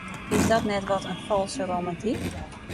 Is dat net wat in falske romantyk?